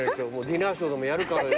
ディナーショーでもやるかのような。